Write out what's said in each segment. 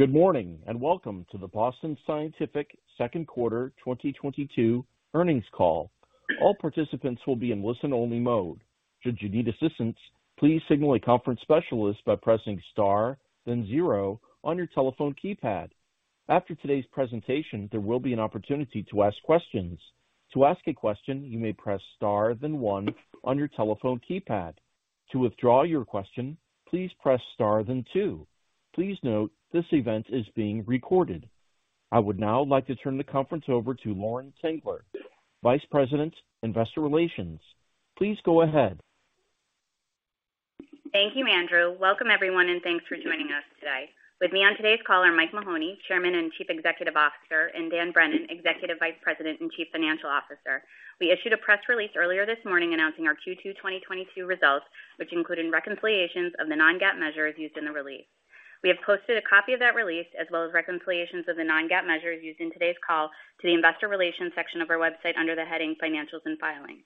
Good morning, and welcome to the Boston Scientific second quarter 2022 earnings call. All participants will be in listen-only mode. Should you need assistance, please signal a conference specialist by pressing Star, then zero on your telephone keypad. After today's presentation, there will be an opportunity to ask questions. To ask a question, you may press Star, then one on your telephone keypad. To withdraw your question, please press Star, then two. Please note, this event is being recorded. I would now like to turn the conference over to Lauren Tengler, Vice President, Investor Relations. Please go ahead. Thank you, Andrew. Welcome, everyone, and thanks for joining us today. With me on today's call are Mike Mahoney, Chairman and Chief Executive Officer, and Dan Brennan, Executive Vice President and Chief Financial Officer. We issued a press release earlier this morning announcing our Q2 2022 results, which include reconciliations of the non-GAAP measures used in the release. We have posted a copy of that release, as well as reconciliations of the non-GAAP measures used in today's call, to the investor relations section of our website under the heading Financials and Filings.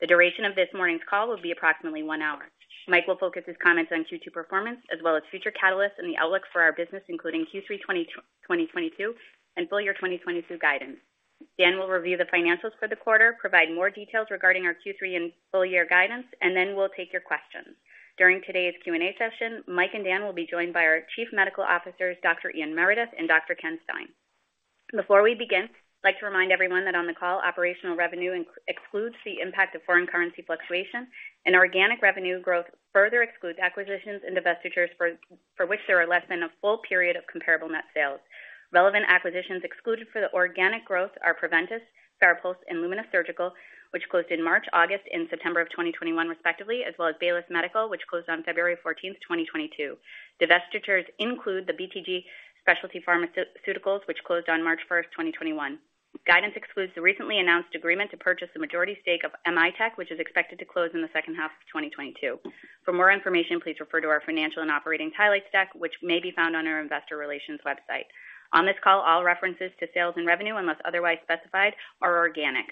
The duration of this morning's call will be approximately one hour. Mike will focus his comments on Q2 performance, as well as future catalysts and the outlook for our business, including Q3 2022 and full year 2022 guidance. Dan will review the financials for the quarter, provide more details regarding our Q3 and full year guidance, and then we'll take your questions. During today's Q&A session, Mike and Dan will be joined by our chief medical officers, Dr. Ian Meredith and Dr. Ken Stein. Before we begin, I'd like to remind everyone that on the call, operational revenue excludes the impact of foreign currency fluctuations, and organic revenue growth further excludes acquisitions and divestitures for which there are less than a full period of comparable net sales. Relevant acquisitions excluded for the organic growth are Preventice, Farapulse, and Lumenis, which closed in March, August, and September of 2021, respectively, as well as Baylis Medical, which closed on February 14, 2022. Divestitures include the BTG Specialty Pharmaceuticals, which closed on March 1, 2021. Guidance excludes the recently announced agreement to purchase the majority stake of M.I.Tech, which is expected to close in the second half of 2022. For more information, please refer to our financial and operating highlights deck, which may be found on our investor relations website. On this call, all references to sales and revenue, unless otherwise specified, are organic.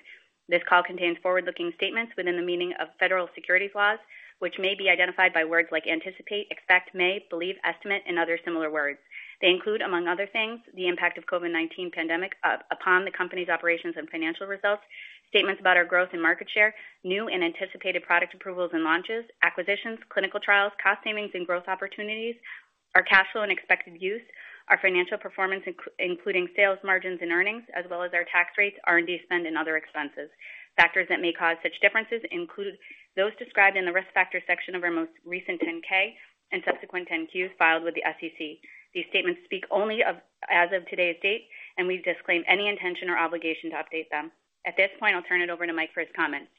This call contains forward-looking statements within the meaning of federal securities laws, which may be identified by words like anticipate, expect, may, believe, estimate, and other similar words. They include, among other things, the impact of COVID-19 pandemic upon the company's operations and financial results, statements about our growth and market share, new and anticipated product approvals and launches, acquisitions, clinical trials, cost savings and growth opportunities, our cash flow and expected use, our financial performance, including sales margins and earnings, as well as our tax rates, R&D spend, and other expenses. Factors that may cause such differences include those described in the Risk Factors section of our most recent 10-K, and subsequent 10-Q filed with the SEC. These statements speak only as of today's date, and we disclaim any intention or obligation to update them. At this point, I'll turn it over to Mike for his comments.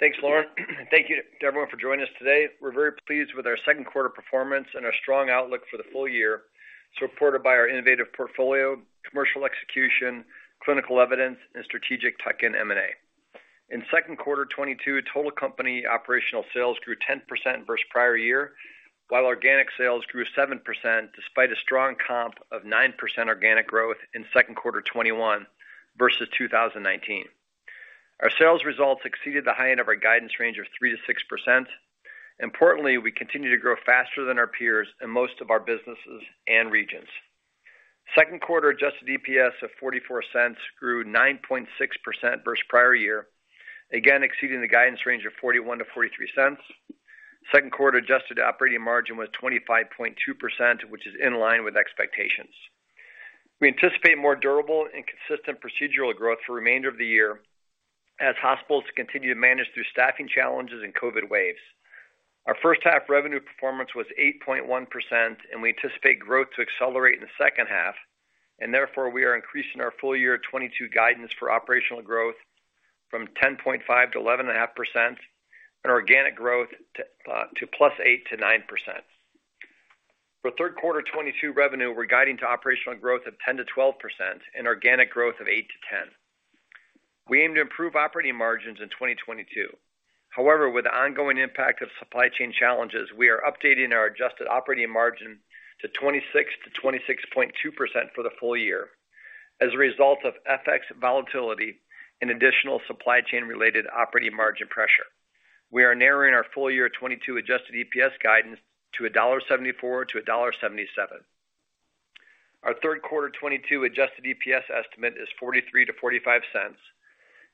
Thanks, Lauren. Thank you to everyone for joining us today. We're very pleased with our second quarter performance and our strong outlook for the full year, supported by our innovative portfolio, commercial execution, clinical evidence, and strategic tech and M&A. In second quarter 2022, total company operational sales grew 10% versus prior year, while organic sales grew 7% despite a strong comp of 9% organic growth in second quarter 2021 versus 2019. Our sales results exceeded the high end of our guidance range of 3%-6%. Importantly, we continue to grow faster than our peers in most of our businesses and regions. Second quarter adjusted EPS of $0.44 grew 9.6% versus prior year, again exceeding the guidance range of $0.41-$0.43. Second quarter adjusted operating margin was 25.2%, which is in line with expectations. We anticipate more durable and consistent procedural growth for remainder of the year, as hospitals continue to manage through staffing challenges and COVID waves. Our first half revenue performance was 8.1%, and we anticipate growth to accelerate in the second half and therefore, we are increasing our full-year 2022 guidance for operational growth from 10.5%-11.5% and organic growth to +8%-9%. For third quarter 2022 revenue, we're guiding to operational growth of 10%-12%, and organic growth of 8%-10%. We aim to improve operating margins in 2022. However, with the ongoing impact of supply chain challenges, we are updating our adjusted operating margin to 26%-26.2% for the full year. As a result of FX volatility and additional supply chain-related operating margin pressure. We are narrowing our full year 2022 adjusted EPS guidance to $1.74-$1.77. Our third quarter 2022 adjusted EPS estimate is $0.43-$0.45,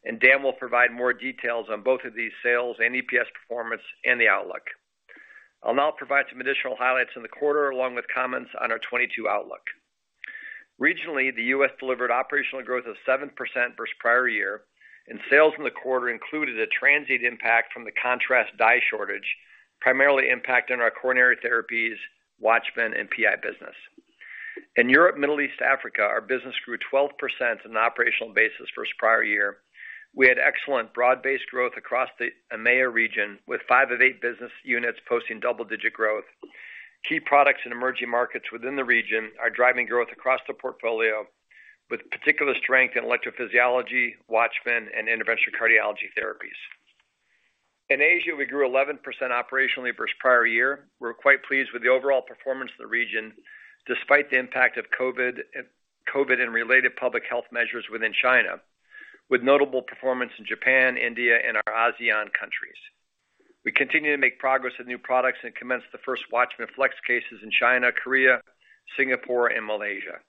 and Dan will provide more details on both of these sales and EPS performance and the outlook. I'll now provide some additional highlights in the quarter, along with comments on our 2022 outlook. Regionally, the U.S. delivered operational growth of 7% versus prior year, and sales in the quarter included a transient impact from the contrast dye shortage, primarily impacting our coronary therapies, WATCHMAN and PI business. In Europe, Middle East, Africa, our business grew 12% on an operational basis versus prior year. We had excellent broad-based growth across the EMEIA region, with five of eight business units posting double-digit growth. Key products in emerging markets within the region are driving growth across the portfolio with particular strength in electrophysiology, WATCHMAN and interventional cardiology therapies. In Asia, we grew 11% operationally versus prior year. We're quite pleased with the overall performance of the region, despite the impact of COVID, and related public health measures within China, with notable performance in Japan, India and our ASEAN countries. We continue to make progress with new products and commence the first WATCHMAN FLX cases in China, Korea, Singapore, and Malaysia.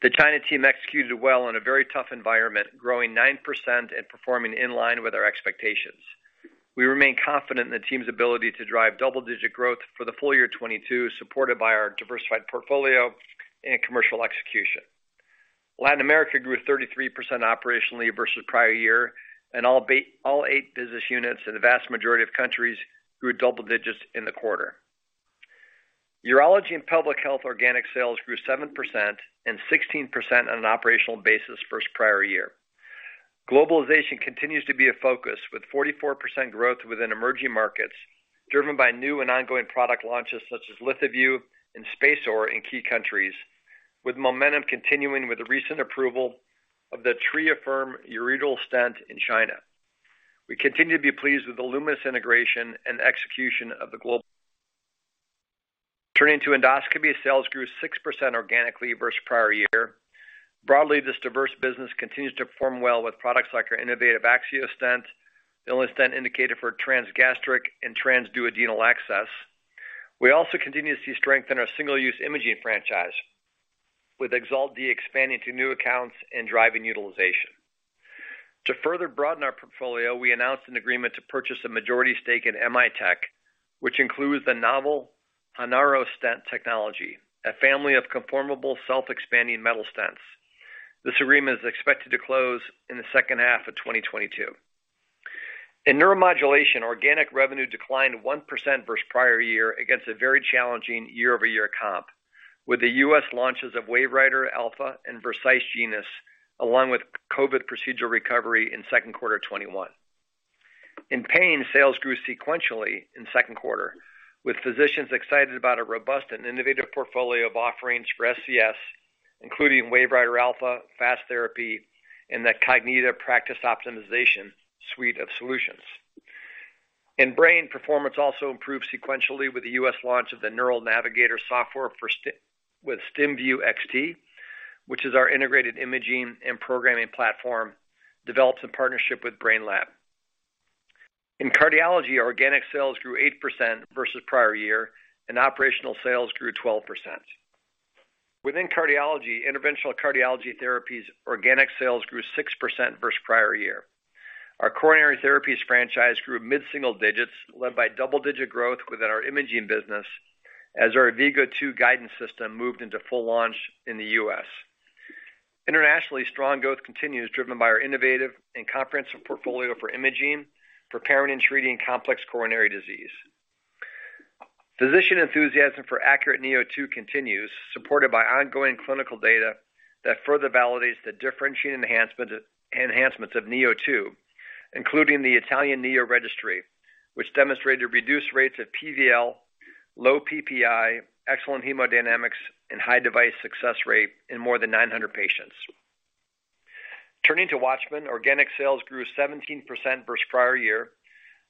The China team executed well in a very tough environment, growing 9% and performing in line with our expectations. We remain confident in the team's ability to drive double-digit growth for the full year 2022, supported by our diversified portfolio, and commercial execution. Latin America grew 33% operationally versus prior year, and all eight business units in the vast majority of countries grew double digits in the quarter. Urology and public health organic sales grew 7%, and 16% on an operational basis versus prior year. Globalization continues to be a focus with 44% growth within emerging markets, driven by new and ongoing product launches such as LithoVue and SpaceOAR in key countries, with momentum continuing with the recent approval of the Triumph ureteral stent in China. We continue to be pleased with the Lumenis integration and execution. Turning to endoscopy, sales grew 6% organically versus prior year. Broadly, this diverse business continues to perform well with products like our innovative AXIOS stent, the only stent indicated for transgastric and transduodenal access. We also continue to see strength in our single-use imaging franchise, with EXALT Model D expanding to new accounts and driving utilization. To further broaden our portfolio, we announced an agreement to purchase a majority stake in M.I.Tech, which includes the novel HANAROSTENT technology, a family of conformable self-expanding metal stents. This agreement is expected to close in the second half of 2022. In neuromodulation, organic revenue declined 1% versus prior year against a very challenging year-over-year comp, with the U.S. launches of WaveWriter Alpha and Vercise Genus, along with COVID procedural recovery in second quarter 2021. In pain, sales grew sequentially in second quarter, with physicians excited about a robust and innovative portfolio of offerings for SCS, including WaveWriter Alpha, FAST Therapy, and the Cognita Practice Optimization suite of solutions. In brain, performance also improved sequentially with the U.S. launch of the Neural Navigator software with StimView XT, which is our integrated imaging and programming platform developed in partnership with Brainlab. In cardiology, organic sales grew 8% versus prior year, and operational sales grew 12%. Within cardiology, interventional cardiology therapies organic sales grew 6% versus prior year. Our coronary therapies franchise grew mid-single digits, led by double-digit growth within our imaging business as our AVVIGO two guidance system moved into full launch in the U.S. Internationally, strong growth continues, driven by our innovative and comprehensive portfolio for imaging, preparing and treating complex coronary disease. Physician enthusiasm for ACURATE neo2 continues, supported by ongoing clinical data that further validates the differentiating enhancements of neo2, including the Italian neo registry, which demonstrated reduced rates of PVL, low PPI, excellent hemodynamics, and high device success rate in more than 900 patients. Turning to WATCHMAN, organic sales grew 17% versus prior year.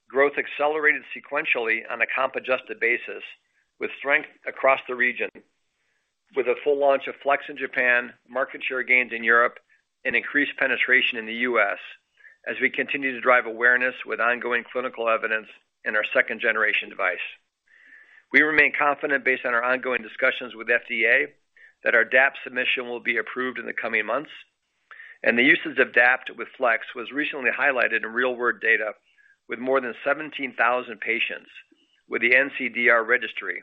Growth accelerated sequentially on a comp adjusted basis, with strength across the region, with a full launch of FLX in Japan, market share gains in Europe, and increased penetration in the U.S. as we continue to drive awareness with ongoing clinical evidence in our second-generation device. We remain confident based on our ongoing discussions with FDA that our DAPT submission will be approved in the coming months, and the usage of DAPT with FLX was recently highlighted in real-world data with more than 17,000 patients with the NCDR registry.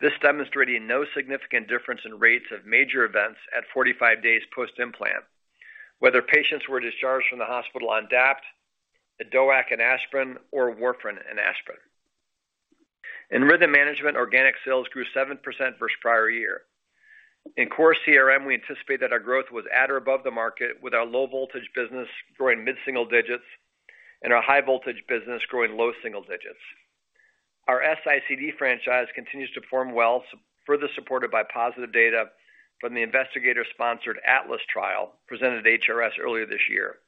This demonstrated no significant difference in rates of major events at 45 days post-implant, whether patients were discharged from the hospital on DAPT, a DOAC and aspirin, or warfarin and aspirin. In rhythm management, organic sales grew 7% versus prior year. In core CRM, we anticipate that our growth was at or above the market, with our low voltage business growing mid-single digits and our high voltage business growing low single digits. Our S-ICD franchise continues to perform well, further supported by positive data from the investigator-sponsored ATLAS trial presented at HRS earlier this year.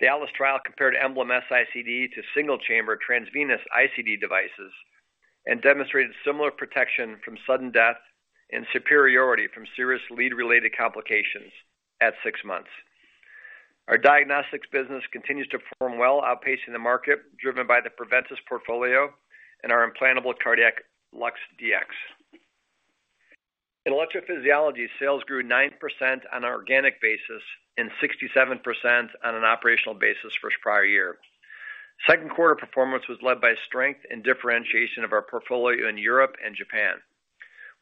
The ATLAS trial compared EMBLEM S-ICD to single-chamber transvenous ICD devices, and demonstrated similar protection from sudden death and superiority from serious lead-related complications at six months. Our diagnostics business continues to perform well, outpacing the market driven by the Preventice portfolio and our implantable cardiac LUX-Dx. In electrophysiology, sales grew 9% on an organic basis and 67% on an operational basis versus prior year. Second quarter performance was led by strength and differentiation of our portfolio in Europe and Japan.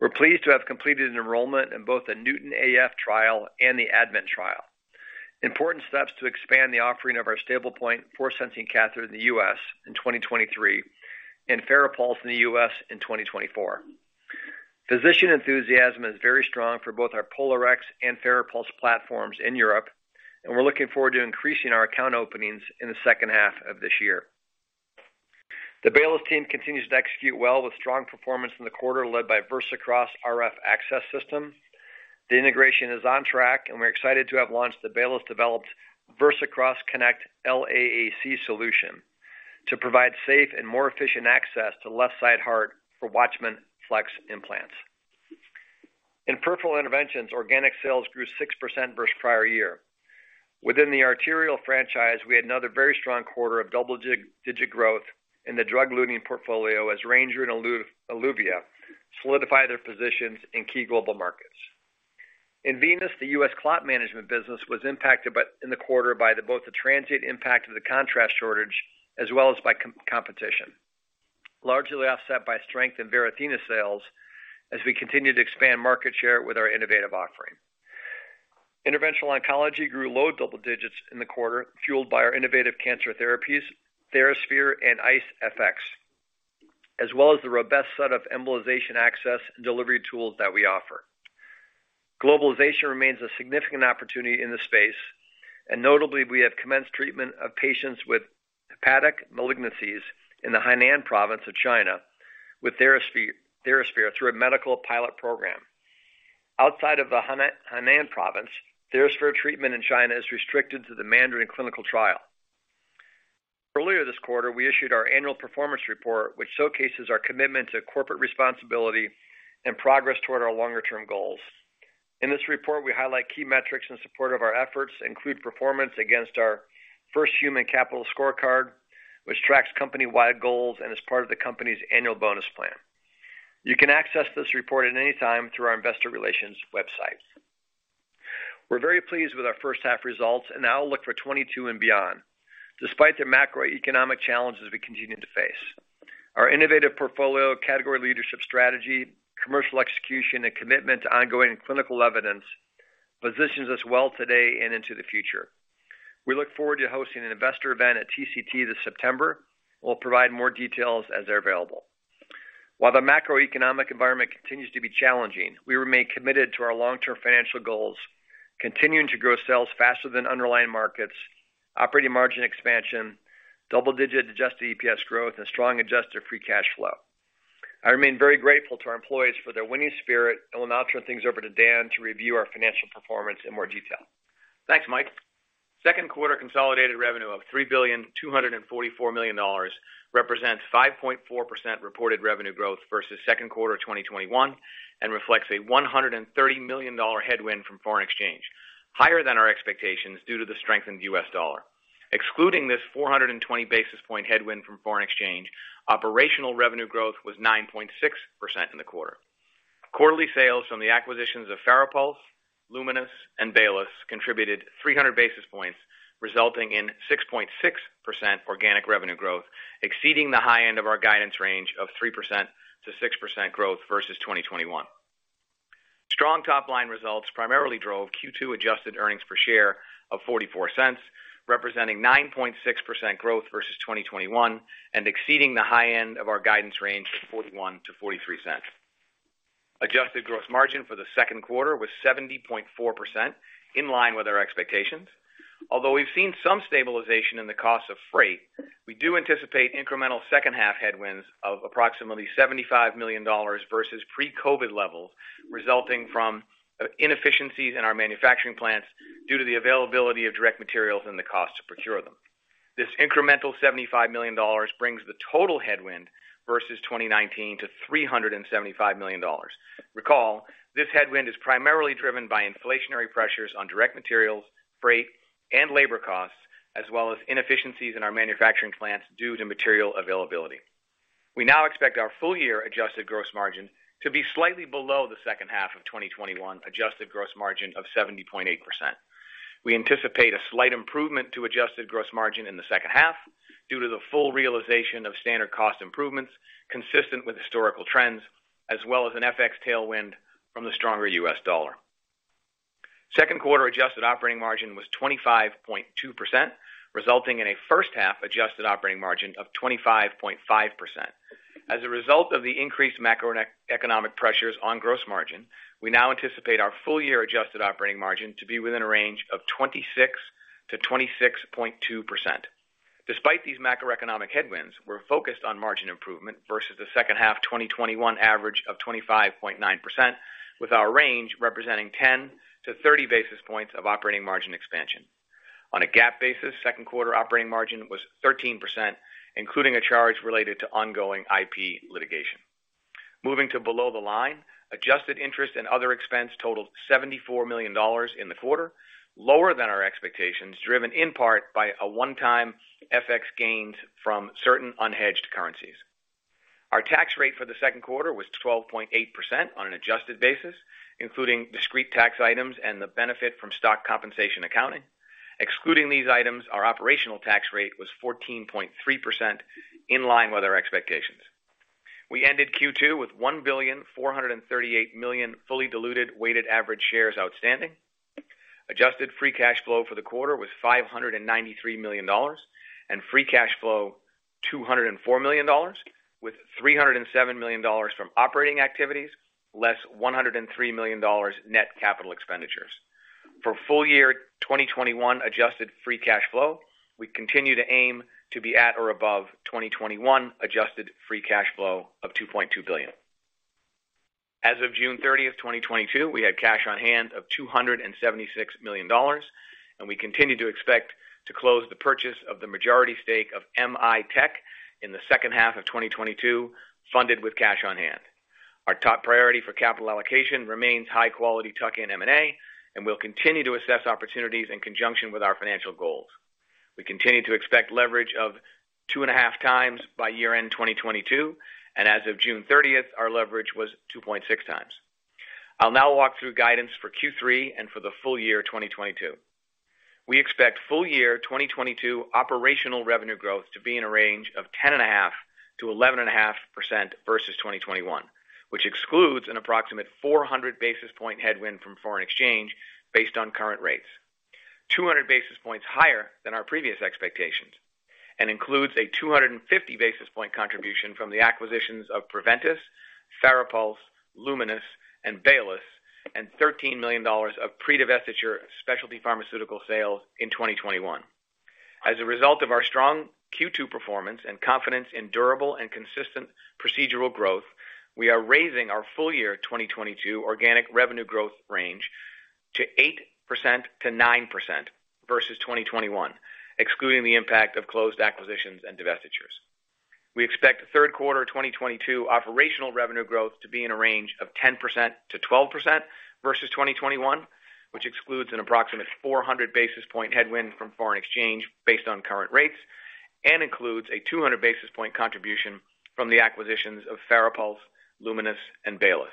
We're pleased to have completed an enrollment in both the NEWTON AF trial and the ADVENT trial, important steps to expand the offering of our StablePoint force sensing catheter in the U.S. in 2023 and Farapulse in the U.S. in 2024. Physician enthusiasm is very strong for both our POLARx and Farapulse platforms in Europe, and we're looking forward to increasing our account openings in the second half of this year. The Baylis team continues to execute well with strong performance in the quarter led by VersaCross RF access system. The integration is on track, and we're excited to have launched the Baylis-developed VersaCross Connect LAAC solution, to provide safe and more efficient access to left side heart for WATCHMAN FLX implants. In peripheral interventions, organic sales grew 6% versus prior year. Within the arterial franchise, we had another very strong quarter of double-digit growth in the drug-eluting portfolio as Ranger and Eluvia, solidify their positions in key global markets. In venous, the U.S. clot management business was impacted by in the quarter by both the transient impact of the contrast shortage, as well as by competition, largely offset by strength in Varithena sales as we continue to expand market share with our innovative offering. Interventional oncology grew low double digits in the quarter, fueled by our innovative cancer therapies, TheraSphere and ICEfx, as well as the robust set of embolization access and delivery tools that we offer. Globalization remains a significant opportunity in this space, and notably, we have commenced treatment of patients with hepatic malignancies in the Henan province of China with TheraSphere through a medical pilot program. Outside of the Henan province, TheraSphere treatment in China is restricted to the MANDARIN clinical trial. Earlier this quarter, we issued our annual performance report, which showcases our commitment to corporate responsibility and progress toward our longer-term goals. In this report, we highlight key metrics in support of our efforts include performance against our first human capital scorecard, which tracks company-wide goals and is part of the company's annual bonus plan. You can access this report at any time through our investor relations website. We're very pleased with our first half results and outlook for 2022 and beyond, despite the macroeconomic challenges we continue to face. Our innovative portfolio, category leadership strategy, commercial execution, and commitment to ongoing clinical evidence positions us well today and into the future. We look forward to hosting an investor event at TCT this September. We'll provide more details as they're available. While the macroeconomic environment continues to be challenging, we remain committed to our long-term financial goals, continuing to grow sales faster than underlying markets, operating margin expansion, double-digit adjusted EPS growth, and strong adjusted free cash flow. I remain very grateful to our employees for their winning spirit, and will now turn things over to Dan to review our financial performance in more detail. Thanks, Mike. Second quarter consolidated revenue of $3.244 billion represents 5.4% reported revenue growth versus second quarter 2021, and reflects a $130 million headwind from foreign exchange, higher than our expectations due to the strength in the U.S. dollar. Excluding this 420 basis point headwind from foreign exchange, operational revenue growth was 9.6% in the quarter. Quarterly sales from the acquisitions of Farapulse, Lumenis, and Baylis contributed 300 basis points, resulting in 6.6% organic revenue growth, exceeding the high end of our guidance range of 3%-6% growth versus 2021. Strong top-line results primarily drove Q2 adjusted earnings per share of $0.44, representing 9.6% growth versus 2021, and exceeding the high end of our guidance range of $0.41-$0.43. Adjusted gross margin for the second quarter was 70.4%, in line with our expectations. Although we've seen some stabilization in the cost of freight, we do anticipate incremental second half headwinds of approximately $75 million versus pre-COVID levels, resulting from inefficiencies in our manufacturing plants due to the availability of direct materials and the cost to procure them. This incremental $75 million brings the total headwind versus 2019 to $375 million. Recall, this headwind is primarily driven by inflationary pressures on direct materials, freight, and labor costs, as well as inefficiencies in our manufacturing plants due to material availability. We now expect our full year adjusted gross margin to be slightly below the second half of 2021 adjusted gross margin of 70.8%. We anticipate a slight improvement to adjusted gross margin in the second half due to the full realization of standard cost improvements consistent with historical trends, as well as an FX tailwind from the stronger U.S. dollar. Second quarter adjusted operating margin was 25.2%, resulting in a first half adjusted operating margin of 25.5%. As a result of the increased macroeconomic pressures on gross margin, we now anticipate our full year adjusted operating margin to be within a range of 26%-26.2%. Despite these macroeconomic headwinds, we're focused on margin improvement versus the second half 2021 average of 25.9%, with our range representing 10-30 basis points of operating margin expansion. On a GAAP basis, second quarter operating margin was 13%, including a charge related to ongoing IP litigation. Moving to below the line, adjusted interest and other expense totaled $74 million in the quarter, lower than our expectations, driven in part by a one-time FX gains from certain unhedged currencies. Our tax rate for the second quarter was 12.8% on an adjusted basis, including discrete tax items and the benefit from stock compensation accounting. Excluding these items, our operational tax rate was 14.3%, in line with our expectations. We ended Q2 with 1.438 billion fully diluted weighted average shares outstanding. Adjusted free cash flow for the quarter was $593 million, and free cash flow $204 million, with $307 million from operating activities, less $103 million net capital expenditures. For full year 2021 adjusted free cash flow, we continue to aim to be at or above 2021 adjusted free cash flow of $2.2 billion. As of June 30, 2022, we had cash on hand of $276 million, and we continue to expect to close the purchase of the majority stake of M.I.Tech in the second half of 2022, funded with cash on hand. Our top priority for capital allocation remains high quality tuck-in M&A, and we'll continue to assess opportunities in conjunction with our financial goals. We continue to expect leverage of 2.5 times by year-end 2022, and as of June 30, our leverage was 2.6 times. I'll now walk through guidance for Q3 and for the full year 2022. We expect full year 2022 operational revenue growth to be in a range of 10.5%-11.5% versus 2021, which excludes an approximate 400 basis point headwind from foreign exchange based on current rates, 200 basis points higher than our previous expectations, and includes a 250 basis point contribution from the acquisitions of Preventice, Farapulse, Lumenis and Baylis, and $13 million of pre-divestiture specialty pharmaceutical sales in 2021. As a result of our strong Q2 performance and confidence in durable and consistent procedural growth, we are raising our full year 2022 organic revenue growth range to 8%-9% versus 2021, excluding the impact of closed acquisitions and divestitures. We expect third quarter 2022 operational revenue growth to be in a range of 10%-12% versus 2021, which excludes an approximate 400 basis point headwind from foreign exchange based on current rates, and includes a 200 basis point contribution from the acquisitions of Farapulse, Lumenis and Baylis.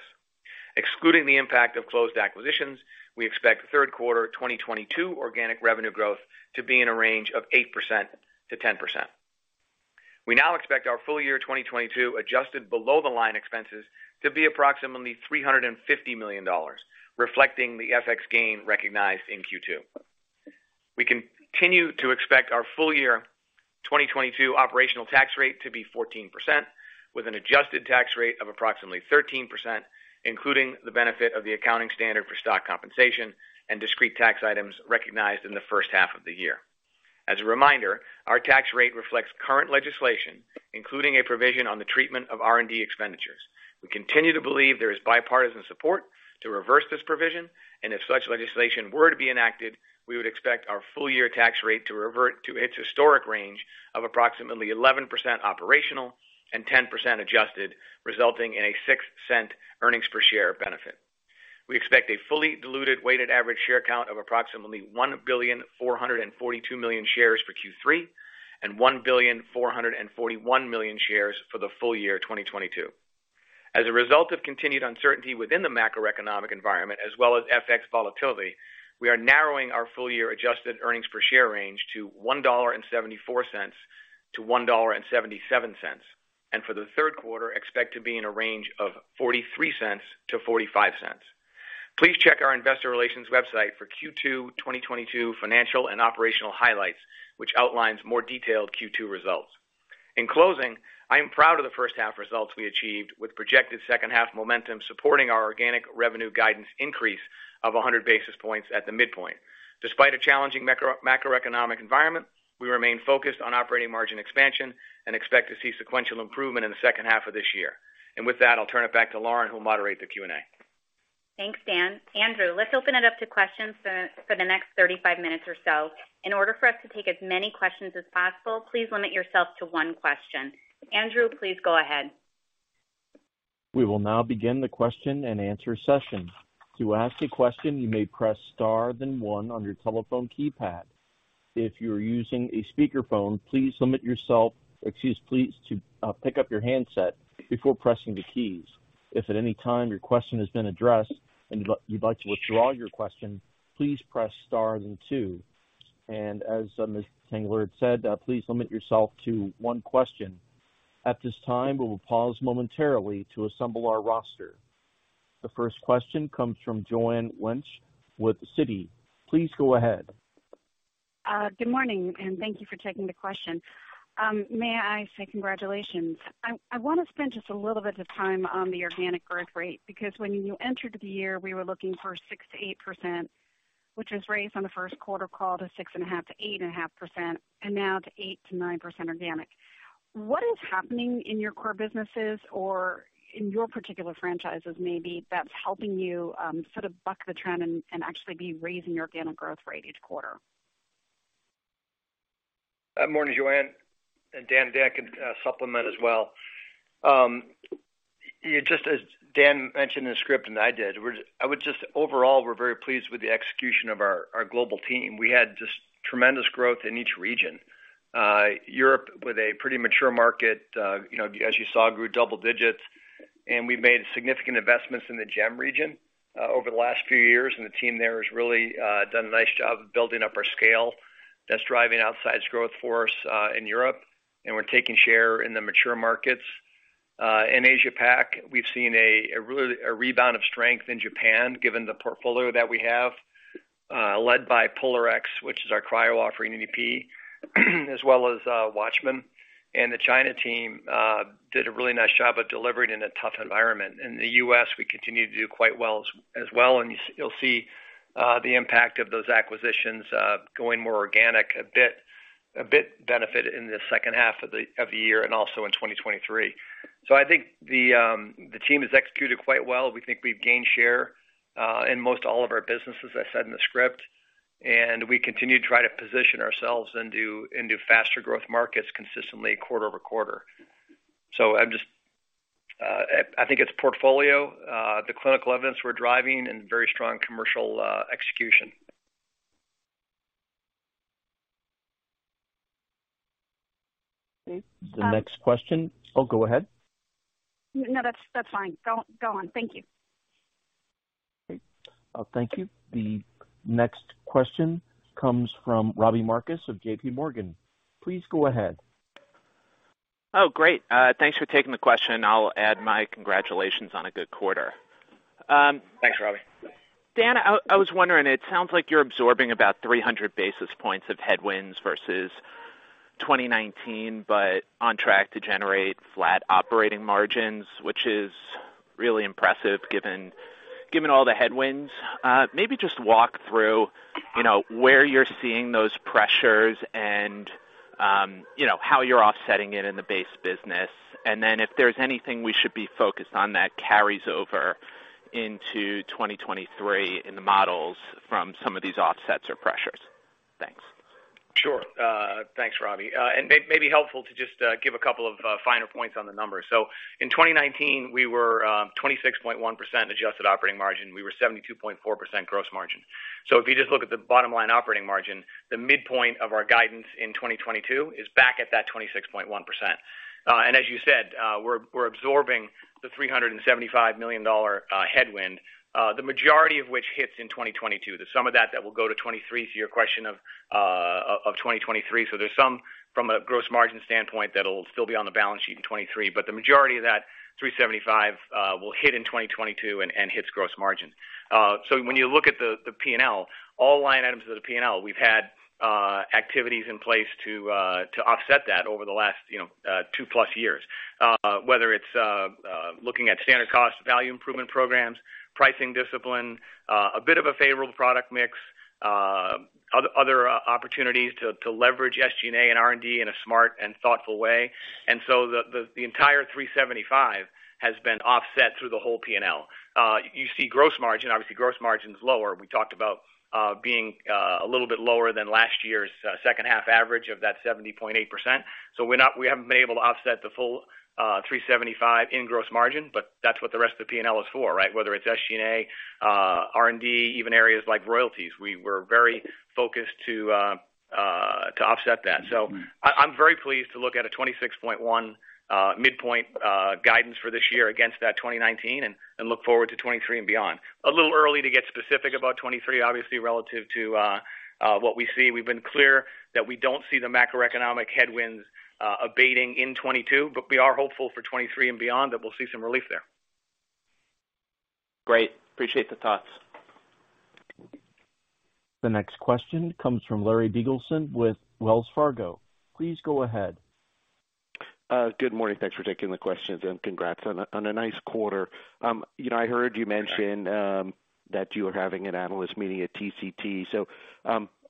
Excluding the impact of closed acquisitions, we expect third quarter 2022 organic revenue growth to be in a range of 8%-10%. We now expect our full year 2022 adjusted below-the-line expenses to be approximately $350 million, reflecting the FX gain recognized in Q2. We continue to expect our full year 2022 operational tax rate to be 14%, with an adjusted tax rate of approximately 13%, including the benefit of the accounting standard for stock compensation, and discrete tax items recognized in the first half of the year. As a reminder, our tax rate reflects current legislation, including a provision on the treatment of R&D expenditures. We continue to believe there is bipartisan support to reverse this provision, and if such legislation were to be enacted, we would expect our full year tax rate to revert to its historic range of approximately 11% operational, and 10% adjusted, resulting in a $0.06 earnings per share benefit. We expect a fully diluted weighted average share count of approximately 1,442 million shares for Q3 and 1,441 million shares for the full year 2022. As a result of continued uncertainty within the macroeconomic environment as well as FX volatility, we are narrowing our full year adjusted earnings per share range to $1.74-$1.77, and for the third quarter, expect to be in a range of $0.43-$0.45. Please check our investor relations website for Q2 2022 financial and operational highlights, which outlines more detailed Q2 results. In closing, I am proud of the first half results we achieved with projected second half momentum supporting our organic revenue guidance increase of 100 basis points at the midpoint. Despite a challenging macro, macroeconomic environment, we remain focused on operating margin expansion and expect to see sequential improvement in the second half of this year. With that, I'll turn it back to Lauren, who will moderate the Q&A. Thanks, Dan. Andrew, let's open it up to questions for the next 35 minutes or so. In order for us to take as many questions as possible, please limit yourself to one question. Andrew, please go ahead. We will now begin the question and answer session. To ask a question, you may press star then one on your telephone keypad. If you're using a speakerphone, please pick up your handset before pressing the keys. If at any time your question has been addressed and you'd like to withdraw your question, please press star then two. As Ms. Tengler had said, please limit yourself to one question. At this time, we will pause momentarily to assemble our roster. The first question comes from Joanne Wuensch with Citi. Please go ahead. Good morning and thank you for taking the question. May I say congratulations. I wanna spend just a little bit of time on the organic growth rate because when you entered the year, we were looking for 6%-8%, which was raised on the first quarter call to 6.5%-8.5%, and now to 8%-9% organic. What is happening in your core businesses or in your particular franchises maybe that's helping you, sort of buck the trend and actually be raising your organic growth rate each quarter? Morning, Joanne and Dan. Dan can supplement as well. Just as Dan mentioned in the script and I did, overall we're very pleased with the execution of our global team. We had just tremendous growth in each region. Europe, with a pretty mature market, you know, as you saw, grew double digits. We've made significant investments in the GEM region over the last few years. The team there has really done a nice job of building up our scale, that's driving outsized growth for us in Europe, and we're taking share in the mature markets. In Asia PAC, we've seen a real rebound of strength in Japan given the portfolio that we have, led by POLARx, which is our cryo offering, UDP as well as WATCHMAN. The China team did a really nice job of delivering in a tough environment. In the U.S. we continue to do quite well as well, and you'll see the impact of those acquisitions going more organic a bit benefit in the second half of the year and also in 2023. I think the team has executed quite well. We think we've gained share in most all of our businesses, as I said in the script. We continue to try to position ourselves into faster growth markets consistently quarter-over-quarter. I'm just, I think it's portfolio, the clinical evidence we're driving and very strong commercial execution. The next question. Oh, go ahead. No, that's fine. Go on. Thank you. Okay. Thank you. The next question comes from Robbie Marcus of JPMorgan. Please go ahead. Oh, great. Thanks for taking the question. I'll add my congratulations on a good quarter. Thanks, Robbie. Dan, I was wondering, it sounds like you're absorbing about 300 basis points of headwinds versus 2019, but on track to generate flat operating margins, which is really impressive given all the headwinds. Maybe just walk through, you know, where you're seeing those pressures and, you know, how you're offsetting it in the base business. If there's anything we should be focused on that carries over into 2023 in the models from some of these offsets or pressures. Thanks. Sure. Thanks, Robbie. It may be helpful to just give a couple of finer points on the numbers. In 2019, we were 26.1% adjusted operating margin. We were 72.4% gross margin. If you just look at the bottom line operating margin, the midpoint of our guidance in 2022 is back at that 26.1%. As you said, we're absorbing the $375 million headwind, the majority of which hits in 2022. The sum of that will go to 2023, to your question of 2023. There's some from a gross margin standpoint that'll still be on the balance sheet in 2023, but the majority of that $375 million will hit in 2022 and hits gross margin. When you look at the P&L, all line items of the P&L, we've had activities in place to offset that over the last, you know, two plus years. Whether it's looking at standard cost value improvement programs, pricing discipline, a bit of a favorable product mix, other opportunities to leverage SG&A and R&D in a smart and thoughtful way. The entire $375 million has been offset through the whole P&L. You see gross margin, obviously gross margin is lower. We talked about being a little bit lower than last year's second half average of that 70.8%. We haven't been able to offset the full 375 in gross margin, but that's what the rest of the P&L is for, right? Whether it's SG&A, R&D, even areas like royalties. We were very focused to offset that. I'm very pleased to look at a 26.1 midpoint guidance for this year against that 2019 and look forward to 2023 and beyond. A little early to get specific about 2023, obviously, relative to what we see. We've been clear that we don't see the macroeconomic headwinds abating in 2022, but we are hopeful for 2023 and beyond that we'll see some relief there. Great. Appreciate the thoughts. The next question comes from Larry Biegelsen with Wells Fargo. Please go ahead. Good morning. Thanks for taking the questions, and congrats on a nice quarter. You know, I heard you mention that you are having an analyst meeting at TCT.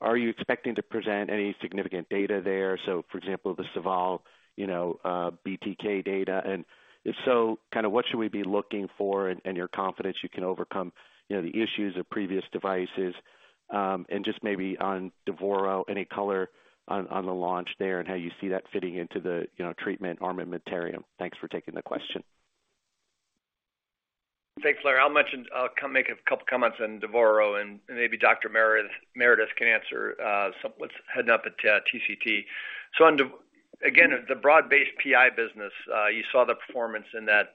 Are you expecting to present any significant data there? For example, the SAVAL, you know, BTK data. If so, kind of what should we be looking for, and you're confident you can overcome, you know, the issues of previous devices? Just maybe on Devoro, any color on the launch there and how you see that fitting into the, you know, treatment armamentarium. Thanks for taking the question. Thanks, Larry. I'll make a couple comments on Devoro and maybe Dr. Ian Meredith can answer some of what's heading up at TCT. Again, the broad-based PI business, you saw the performance in that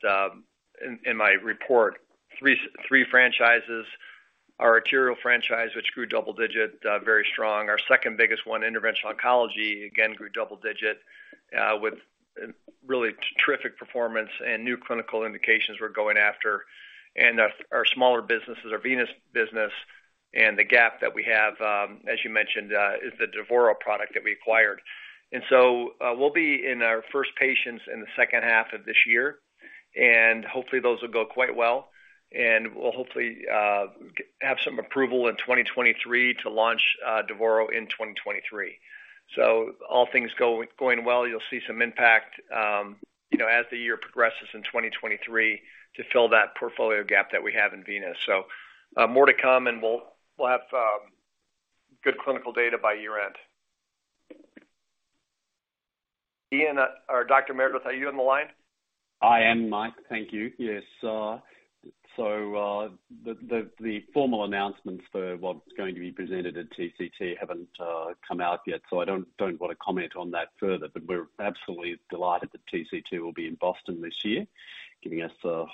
in my report. Three franchises. Our arterial franchise, which grew double-digit, very strong. Our second biggest one, interventional oncology, again, grew double-digit, with really terrific performance and new clinical indications we're going after. Our smaller businesses, our venous business and the gap that we have, as you mentioned, is the Devoro product that we acquired. We'll be in our first patients in the second half of this year, and hopefully those will go quite well. We'll hopefully have some approval in 2023 to launch Devoro in 2023. All things going well, you'll see some impact, you know, as the year progresses in 2023 to fill that portfolio gap that we have in venous. More to come, and we'll have good clinical data by year-end. Dr. Ian Meredith, are you on the line? I am, Mike. Thank you. Yes. The formal announcements for what's going to be presented at TCT haven't come out yet, so I don't want to comment on that further. We're absolutely delighted that TCT will be in Boston this year, giving us a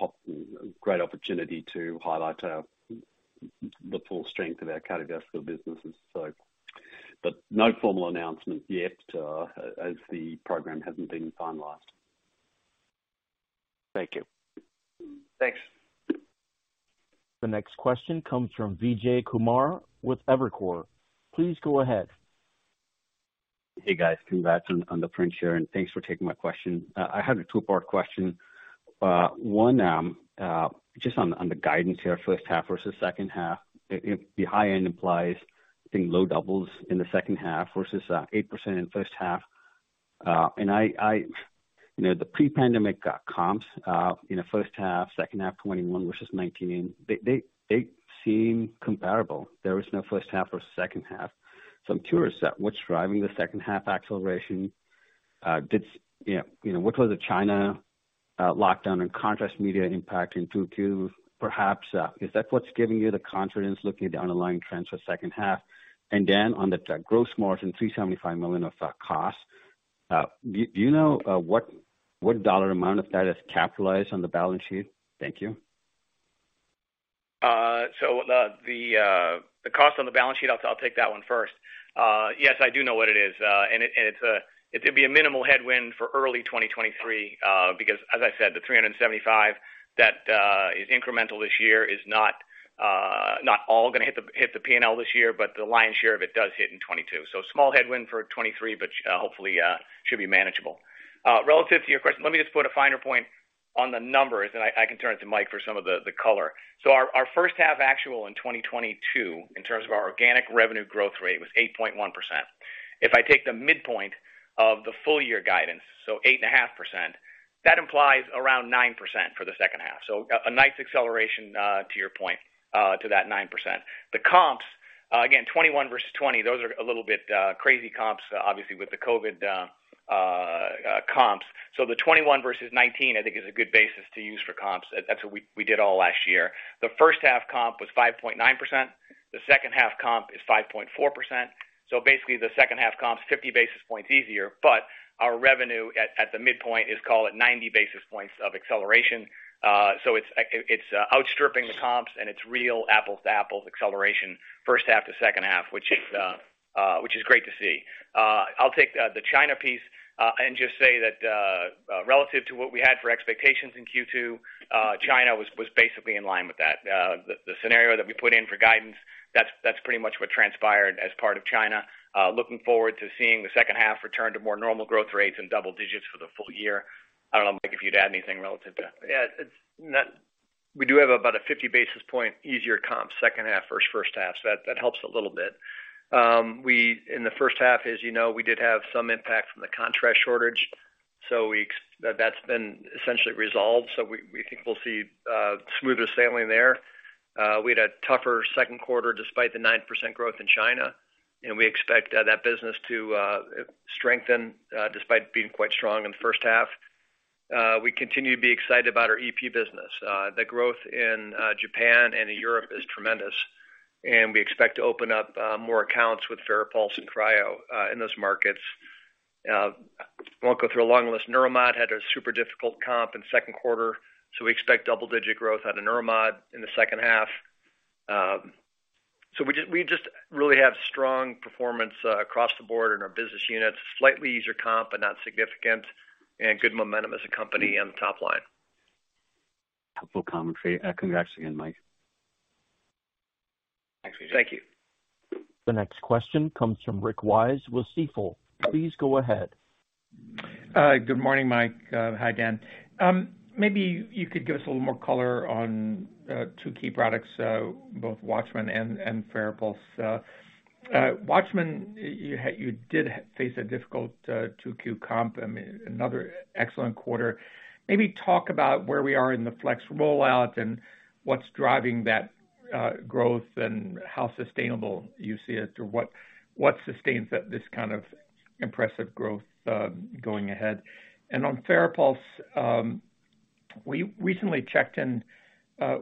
great opportunity to highlight the full strength of our cardiovascular businesses. No formal announcement yet, as the program hasn't been finalized. Thank you. Thanks. The next question comes from Vijay Kumar with Evercore. Please go ahead. Hey, guys. Congrats on the print share, and thanks for taking my question. I had a two-part question. One, just on the guidance here, first half versus second half. If the high end implies, I think, low doubles in the second half versus 8% in first half. You know, the pre-pandemic comps in the first half, second half 2021 versus 2019, they seem comparable. There is no first half or second half. So I'm curious at what's driving the second half acceleration. Yeah, you know, what was the China lockdown and contrast media impact in 2022 perhaps? Is that what's giving you the confidence looking at the underlying trends for second half? Dan, on the gross margin, $375 million of that cost, do you know what dollar amount of that is capitalized on the balance sheet? Thank you. The cost on the balance sheet, I'll take that one first. Yes, I do know what it is. It's a minimal headwind for early 2023, because as I said, the $375 that is incremental this year is not all gonna hit the P&L this year, but the lion's share of it does hit in 2022. Small headwind for 2023, but hopefully should be manageable. Relative to your question, let me just put a finer point on the numbers, and I can turn it to Mike for some of the color. Our first half actual in 2022, in terms of our organic revenue growth rate, was 8.1%. If I take the midpoint of the full year guidance, so 8.5%, that implies around 9% for the second half. A nice acceleration to your point to that 9%. The comps again, 2021 versus 2020, those are a little bit crazy comps obviously with the COVID comps. The 2021 versus 2019, I think is a good basis to use for comps. That's what we did all last year. The first half comp was 5.9%. The second half comp is 5.4%. Basically, the second half comp is 50 basis points easier, but our revenue at the midpoint is call it 90 basis points of acceleration. It's outstripping the comps, and it's real apples-to-apples acceleration first half to second half, which is great to see. I'll take the China piece and just say that, relative to what we had for expectations in Q2, China was basically in line with that. The scenario that we put in for guidance, that's pretty much what transpired as part of China. Looking forward to seeing the second half return to more normal growth rates and double digits for the full year. I don't know, Mike, if you'd add anything relative to that. We do have about a 50 basis point easier comp second half versus first half, so that helps a little bit. In the first half, as you know, we did have some impact from the contrast shortage. That's been essentially resolved, so we think we'll see smoother sailing there. We had a tougher second quarter despite the 9% growth in China, and we expect that business to strengthen despite being quite strong in the first half. We continue to be excited about our EP business. The growth in Japan and in Europe is tremendous, and we expect to open up more accounts with Farapulse and Cryo in those markets. Won't go through a long list. Neuromod had a super difficult comp in second quarter, so we expect double-digit growth out of Neuromod in the second half. We just really have strong performance across the board in our business units. Slightly easier comp, but not significant, and good momentum as a company on the top line. Helpful commentary. Congrats again, Mike. Thanks. Thank you. The next question comes from Rick Wise with Stifel. Please go ahead. Good morning, Mike. Hi, Dan. Maybe you could give us a little more color on two key products, both WATCHMAN and Farapulse. WATCHMAN, you did face a difficult 2Q comp. I mean, another excellent quarter. Maybe talk about where we are in the FLX rollout, and what's driving that growth and how sustainable you see it, or what sustains that this kind of impressive growth going ahead. On Farapulse, we recently checked in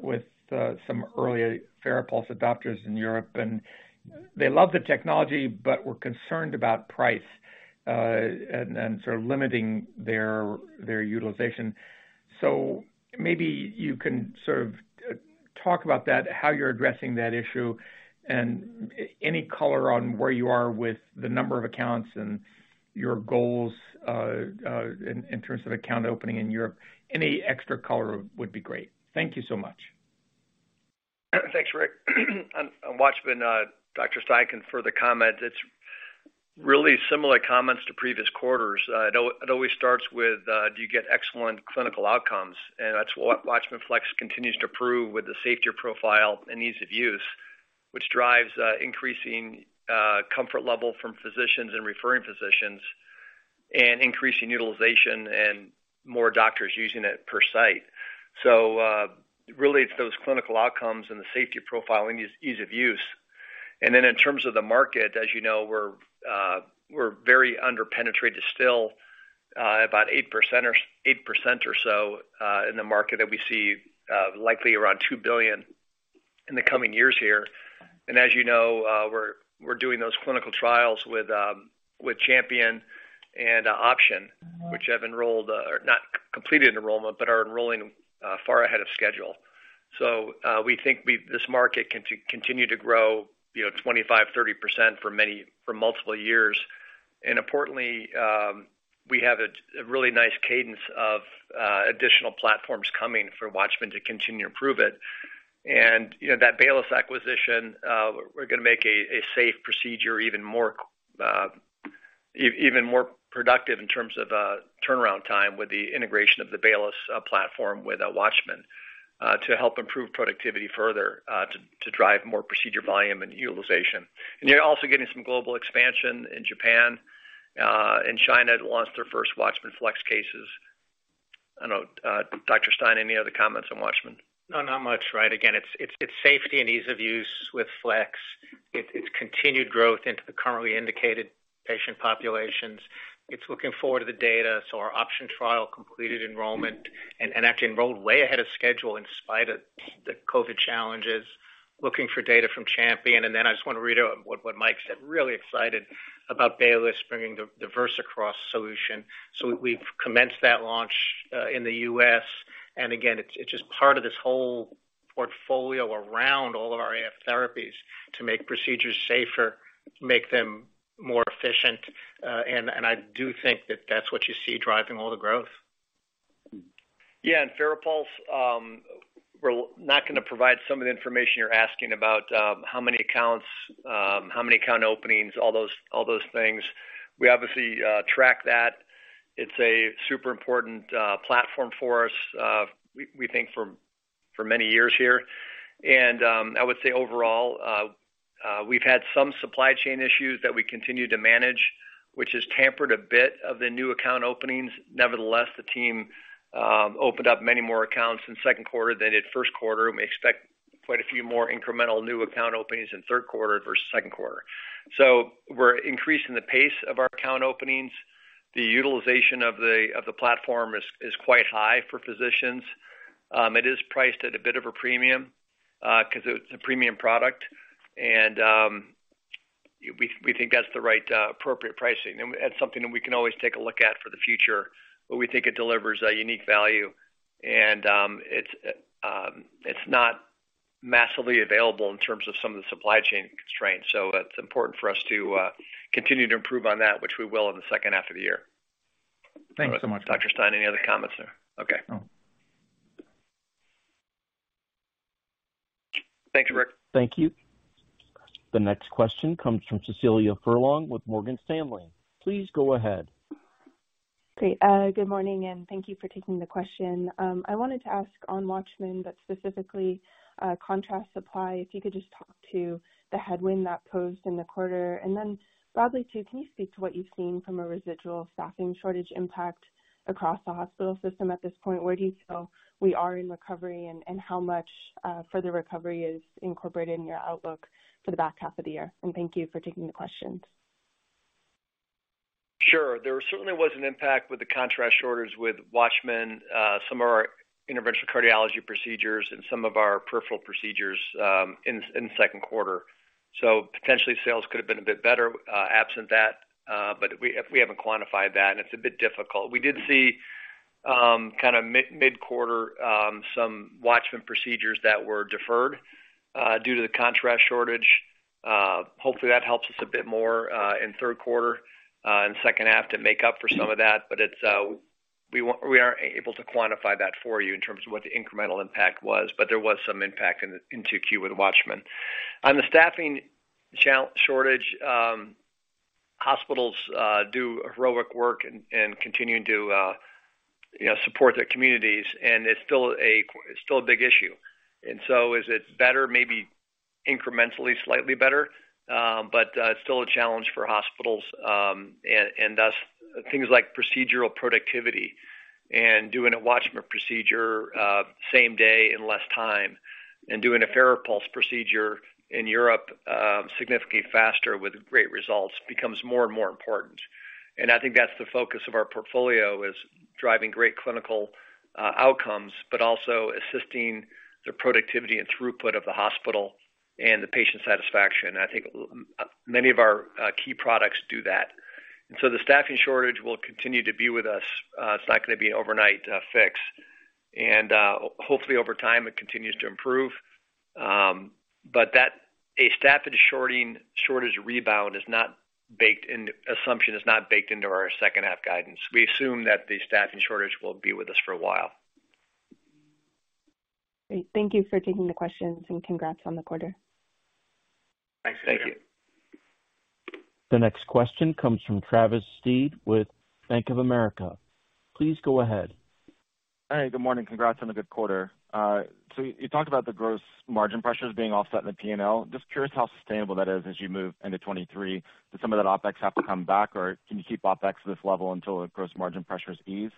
with some early Farapulse adopters in Europe, and they love the technology but were concerned about price and sort of limiting their utilization. Maybe you can sort of talk about that, how you're addressing that issue, and any color on where you are with the number of accounts and your goals, in terms of account opening in Europe? Any extra color would be great. Thank you so much. Thanks, Rick. On Watchman, Dr. Stein can further comment. It's really similar comments to previous quarters. It always starts with, do you get excellent clinical outcomes? That's what Watchman FLX continues to prove with the safety profile and ease of use, which drives increasing comfort level from physicians and referring physicians, and increasing utilization and more doctors using it per site. Really it's those clinical outcomes and the safety profile and ease of use. Then in terms of the market, as you know, we're very under-penetrated still, about 8% or so in the market that we see, likely around $2 billion in the coming years here. As you know, we're doing those clinical trials with CHAMPION-AF and OPTION, which have enrolled, not completed enrollment, but are enrolling far ahead of schedule. We think this market can continue to grow, you know, 25%-30% for multiple years. Importantly, we have a really nice cadence of additional platforms coming for WATCHMAN to continue to improve it. You know, that Baylis acquisition, we're gonna make a safe procedure even more, productive in terms of turnaround time with the integration of the Baylis platform with WATCHMAN. To help improve productivity further, to drive more procedure volume and utilization. You're also getting some global expansion in Japan, and China had launched their first WATCHMAN FLX cases. I don't know, Dr. Stein, any other comments on WATCHMAN? No, not much, right. Again, it's safety and ease of use with FLX. It's continued growth into the currently indicated patient populations. It's looking forward to the data. Our OPTION trial completed enrollment and actually enrolled way ahead of schedule in spite of the COVID challenges, looking for data from CHAMPION-AF. Then I just wanna read what Mike said, really excited about Baylis bringing the VersaCross solution. We've commenced that launch in the U.S. Again, it's just part of this whole portfolio around all of our AF therapies, to make procedures safer, make them more efficient. I do think that's what you see driving all the growth. Yeah. Farapulse, we're not gonna provide some of the information you're asking about, how many accounts, how many account openings, all those things. We obviously track that. It's a super important platform for us, we think for many years here. I would say overall, we've had some supply chain issues that we continue to manage, which has tempered a bit of the new account openings. Nevertheless, the team opened up many more accounts in second quarter than in first quarter. We may expect quite a few more incremental new account openings in third quarter versus second quarter. We're increasing the pace of our account openings. The utilization of the platform is quite high for physicians. It is priced at a bit of a premium because it's a premium product. We think that's the right appropriate pricing. That's something that we can always take a look at for the future. We think it delivers a unique value, and it's not massively available in terms of some of the supply chain constraints. It's important for us to continue to improve on that, which we will in the second half of the year. Thanks so much. Dr. Stein, any other comments there? Okay. No. Thank you, Rick. Thank you. The next question comes from Cecilia Furlong with Morgan Stanley. Please go ahead. Great. Good morning, and thank you for taking the question. I wanted to ask on WATCHMAN, but specifically, contrast supply, if you could just talk to the headwind that posed in the quarter. Then broadly too, can you speak to what you've seen from a residual staffing shortage impact, across the hospital system at this point? Where do you feel we are in recovery and how much further recovery is incorporated in your outlook for the back half of the year? Thank you for taking the questions. Sure. There certainly was an impact with the contrast orders with WATCHMAN, some of our interventional cardiology procedures and some of our peripheral procedures, in the second quarter. Potentially sales could have been a bit better, absent that, but we haven't quantified that, and it's a bit difficult. We did see, kind of mid-quarter, some WATCHMAN procedures that were deferred, due to the contrast shortage. Hopefully, that helps us a bit more in third quarter, and second half to make up for some of that. It's. We aren't able to quantify that for you in terms of what the incremental impact was, but there was some impact in 2Q with WATCHMAN. On the staffing shortage, hospitals do heroic work and continuing to, you know, support their communities, and it's still a big issue. So is it better? Maybe incrementally slightly better, but still a challenge for hospitals. Thus things like procedural productivity and doing a WATCHMAN procedure same day in less time, and doing a Farapulse procedure in Europe significantly faster with great results becomes more and more important. I think that's the focus of our portfolio, is driving great clinical outcomes, but also assisting the productivity and throughput of the hospital and the patient satisfaction. I think many of our key products do that. The staffing shortage will continue to be with us. It's not gonna be an overnight fix. Hopefully over time, it continues to improve. A staffing shortage rebound assumption is not baked into our second half guidance. We assume that the staffing shortage will be with us for a while. Great. Thank you for taking the questions, and congrats on the quarter. Thanks. Thank you. The next question comes from Travis Steed with Bank of America. Please go ahead. Hey, good morning. Congrats on a good quarter. So you talked about the gross margin pressures being offset in the P&L. Just curious how sustainable that is as you move into 2023. Does some of that OpEx have to come back, or can you keep OpEx this level until the gross margin pressures ease?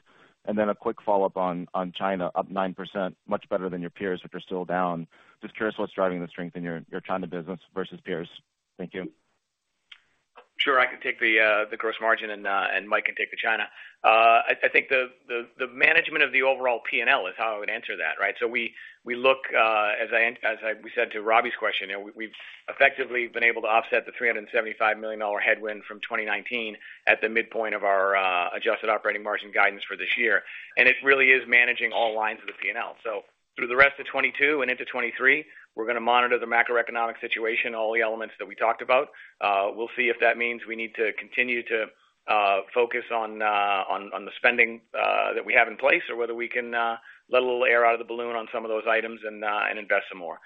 A quick follow-up on China, up 9%, much better than your peers, but you're still down. Just curious what's driving the strength in your China business versus peers. Thank you. Sure. I can take the gross margin and Mike can take the China. I think the management of the overall P&L is how I would answer that, right? We look as we said to Robbie's question, you know, we've effectively been able to offset the $375 million headwind from 2019, at the midpoint of our adjusted operating margin guidance for this year. It really is managing all lines of the P&L. Through the rest of 2022 and into 2023, we're gonna monitor the macroeconomic situation, all the elements that we talked about. We'll see if that means we need to continue to focus on the spending that we have in place, or whether we can let a little air out of the balloon on some of those items and invest some more.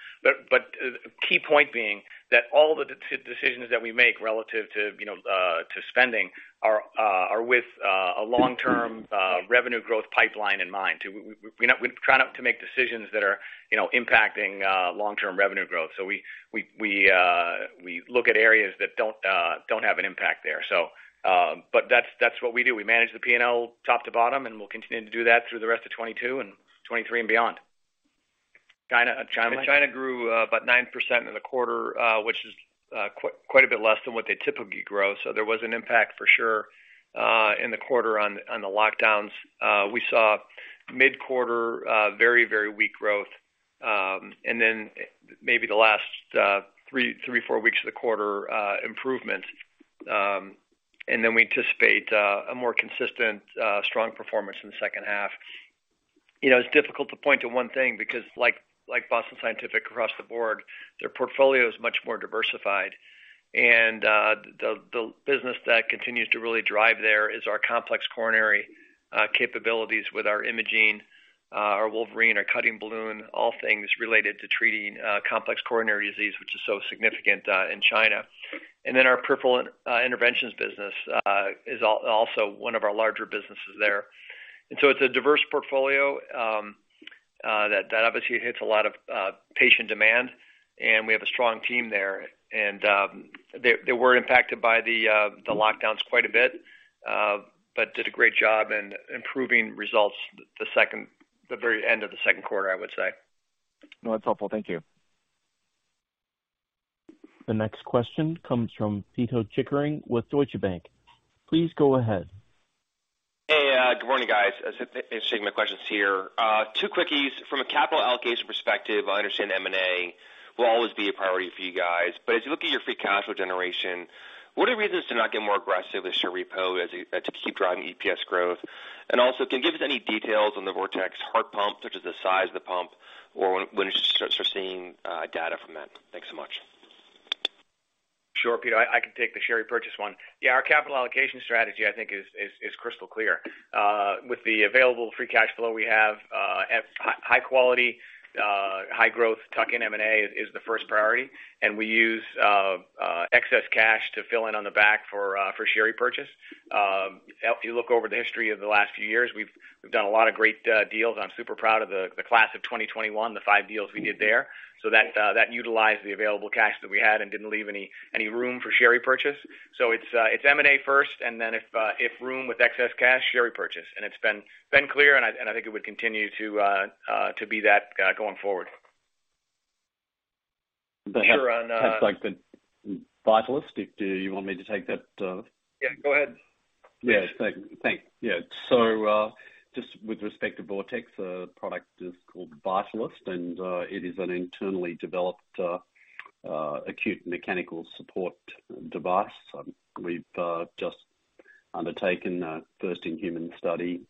Key point being that all the decisions that we make relative to, you know, to spending are with a long-term revenue growth pipeline in mind. We're not trying to make decisions that are, you know, impacting long-term revenue growth. We look at areas that don't have an impact there. That's what we do. We manage the P&L top to bottom, and we'll continue to do that through the rest of 2022 and 2023 and beyond. China? China line. China grew about 9% in the quarter, which is quite a bit less than what they typically grow. There was an impact for sure in the quarter on the lockdowns. We saw mid-quarter very weak growth and then maybe the last three four weeks of the quarter improvement. We anticipate a more consistent strong performance in the second half. You know, it's difficult to point to one thing because like Boston Scientific across the board, their portfolio is much more diversified. The business that continues to really drive there is our complex coronary, capabilities with our imaging our Wolverine our cutting balloon all things related to treating complex coronary disease, which is so significant in China. Our peripheral interventions business is also one of our larger businesses there. It's a diverse portfolio that obviously hits a lot of patient demand, and we have a strong team there. They were impacted by the lockdowns quite a bit, but did a great job in improving results at the very end of the second quarter, I would say. No, that's helpful. Thank you. The next question comes from Pito Chickering with Deutsche Bank. Please go ahead. Hey, good morning, guys. Thanks for taking the questions here. Two quickies. From a capital allocation perspective, I understand M&A will always be a priority for you guys. As you look at your free cash flow generation, what are your reasons to not get more aggressive with share repo to keep driving EPS growth? And also, can you give us any details on the Vortex heart pump, such as the size of the pump or when you start seeing data from that? Thanks so much. Sure, Pito. I can take the share repurchase one. Yeah, our capital allocation strategy, I think, is crystal clear. With the available free cash flow we have, at high quality, high growth, tuck-in M&A is the first priority, and we use excess cash to fill in on the back for share repurchase. If you look over the history of the last few years, we've done a lot of great deals. I'm super proud of the class of 2021, the five deals we did there. That utilized the available cash that we had and didn't leave any room for share repurchase. It's M&A first, and then if room with excess cash, share repurchase. It's been clear, and I think it would continue to be that going forward. Sure. Sounds like the Vitalyst. Do you want me to take that? Yeah, go ahead. Just with respect to Vortex, the product is called Vitalyst, and it is an internally developed acute mechanical support device. We've just undertaken a first-in-human study.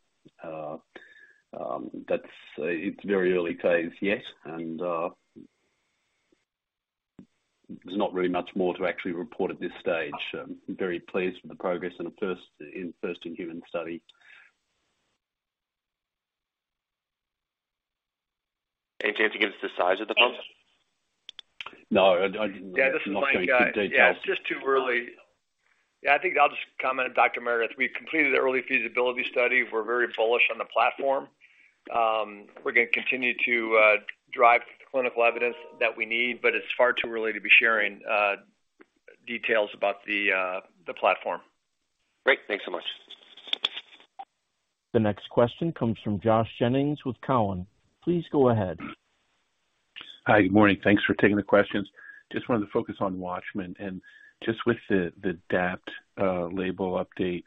That's very early days yet, and there's not really much more to actually report at this stage. Very pleased with the progress in the first-in-human study. Any chance you can give us the size of the pump? No, I. Yeah, this is Mike. I'm not going to give details. Yeah, it's just too early. Yeah, I think I'll just comment on Dr. Meredith. We've completed the early feasibility study. We're very bullish on the platform. We're gonna continue to drive clinical evidence that we need, but it's far too early to be sharing details about the platform. Great. Thanks so much. The next question comes from Josh Jennings with Cowen. Please go ahead. Hi. Good morning. Thanks for taking the questions. Just wanted to focus on WATCHMAN and just with the DAPT label update,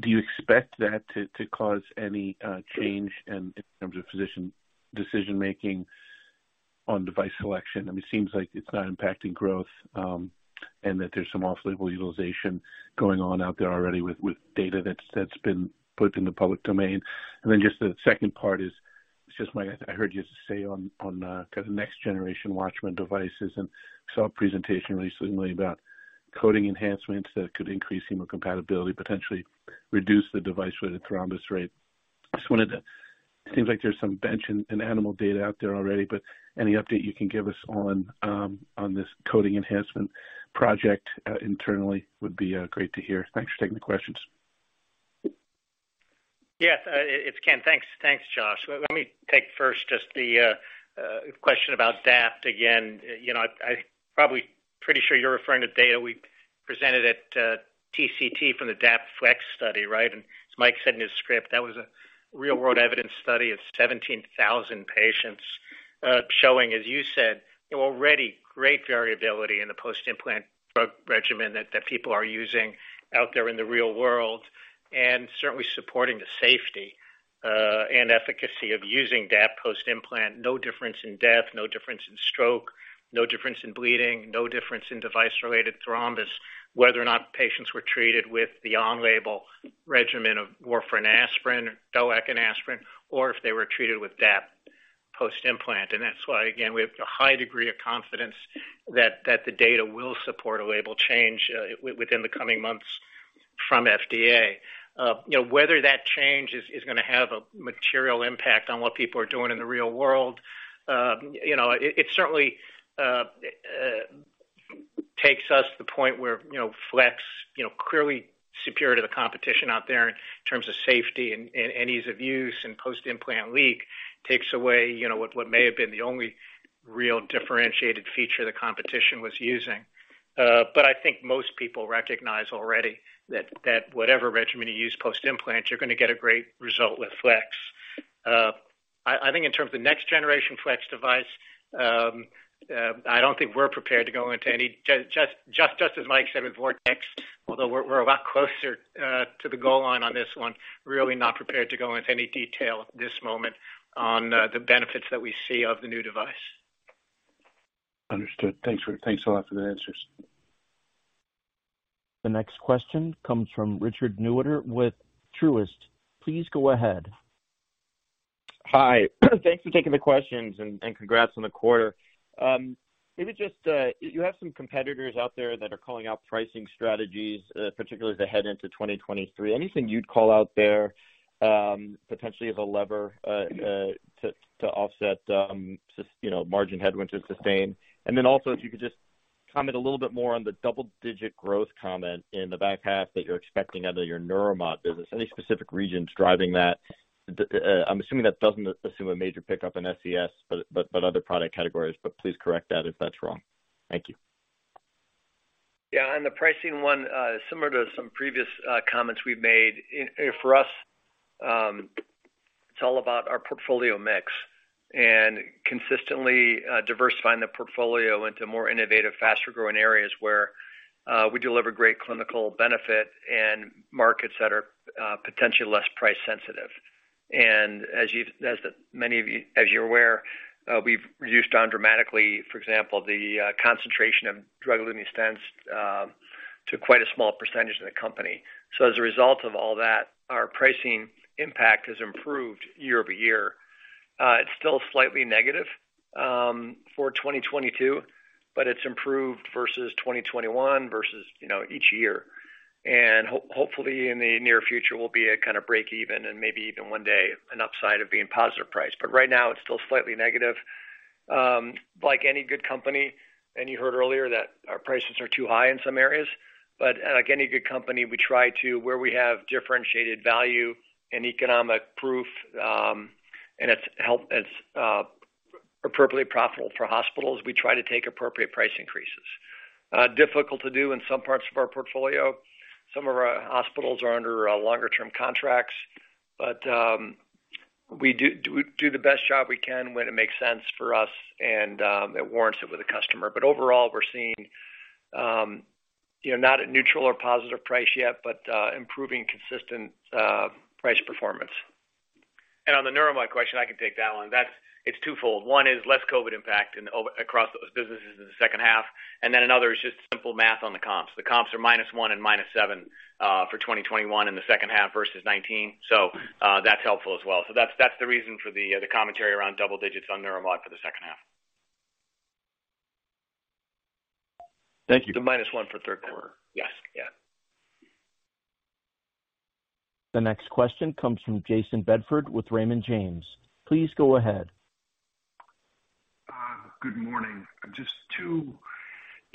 do you expect that to cause any change in terms of physician decision-making, on device selection? I mean, it seems like it's not impacting growth, and that there's some off-label utilization going on out there already with data that's been put in the public domain. Then just the second part is, I heard you say on kind of next generation WATCHMAN devices and saw a presentation recently about coating enhancements that could increase hemocompatibility, potentially reduce the device-related thrombus rate. Just wanted to. It seems like there's some bench and animal data out there already, but any update you can give us on this coating enhancement project internally would be great to hear. Thanks for taking the questions. Yes. It's Ken. Thanks. Thanks, Josh. Let me take first just the question about DAPT again. You know, I probably pretty sure you're referring to data we presented at TCT from the DAPT FLX study, right? As Mike said in his script, that was a real world evidence study of 17,000 patients, showing, as you said, already great variability in the post-implant drug regimen that people are using out there in the real world, and certainly supporting the safety and efficacy of using DAPT post-implant. No difference in death, no difference in stroke, no difference in bleeding, no difference in device-related thrombus, whether or not patients were treated with the on-label regimen of warfarin aspirin or DOAC and aspirin, or if they were treated with DAPT. Post-implant. That's why, again, we have a high degree of confidence, that the data will support a label change within the coming months from FDA. You know, whether that change is gonna have a material impact on what people are doing in the real world. You know, it certainly takes us to the point where, you know, FLX you know clearly superior to the competition out there in terms of safety, and ease of use and post-implant leak takes away, you know, what may have been the only real differentiated feature the competition was using. I think most people recognize already that whatever regimen you use post-implant, you're gonna get a great result with FLX. I think in terms of the next generation FLEX device, I don't think we're prepared, just as Mike said with Vortex, although we're a lot closer to the goal line on this one, really not prepared to go into any detail at this moment on the benefits that we see of the new device. Understood. Thanks a lot for the answers. The next question comes from Richard Newitter with Truist. Please go ahead. Hi. Thanks for taking the questions and congrats on the quarter. Maybe just you have some competitors out there that are calling out pricing strategies, particularly as they head into 2023. Anything you'd call out there, potentially as a lever to offset, just, you know, margin headwinds you sustain? Then also, if you could just comment a little bit more on the double digit growth comment, in the back half that you're expecting under your Neuromod business. Any specific regions driving that? I'm assuming that doesn't assume a major pickup in SCS, but other product categories. Please correct that if that's wrong. Thank you. Yeah, on the pricing one, similar to some previous comments we've made, for us, it's all about our portfolio mix and consistently diversifying the portfolio into more innovative, faster-growing areas where we deliver great clinical benefit, and markets that are potentially less price sensitive. As you're aware, we've reduced down dramatically, for example, the concentration of drug-eluting stents, to quite a small percentage of the company. As a result of all that, our pricing impact has improved year-over-year. It's still slightly negative for 2022, but it's improved versus 2021 versus, you know, each year. Hopefully, in the near future, we'll be at kind of break even and maybe even one day an upside of being positive price. Right now, it's still slightly negative. Like any good company, you heard earlier that our prices are too high in some areas. Like any good company, we try to where we have differentiated value and economic proof, and it's appropriately profitable for hospitals, we try to take appropriate price increases. Difficult to do in some parts of our portfolio. Some of our hospitals are under longer term contracts, but we do the best job we can when it makes sense for us, and it warrants it with a customer. Overall, we're seeing you know, not a neutral or positive price yet, but improving consistent price performance. On the Neuromod question, I can take that one. It's twofold. One is less COVID impact across those businesses in the second half, and then another is just simple math on the comps. The comps are -1% and -7% for 2021 in the second half versus 2019. That's helpful as well. That's the reason for the commentary around double digits on Neuromod for the second half. Thank you. The -1 for third quarter. Yes. Yeah. The next question comes from Jayson Bedford with Raymond James. Please go ahead. Good morning. Just two